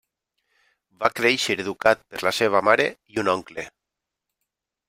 Va créixer educat per la seva mare i un oncle.